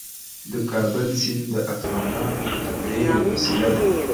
د کابل سیند د افغانانو د تفریح یوه وسیله ده.